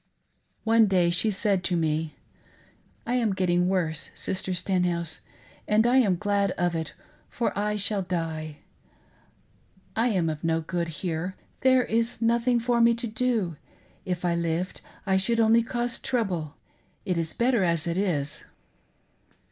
One day she said to me: "I am getting worse, Sister Stenhouse, and I am glad of it, tor I shall die. I am of no good here — there is nothing for me to do ; if I lived, I should only cause trouble ;, it is better as it is."